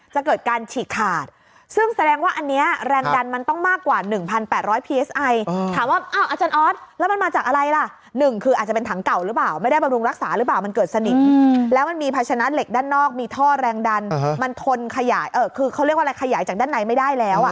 จะเกิดการฉีกขาดซึ่งแสดงว่าอันนี้แรงดันมันต้องมากกว่า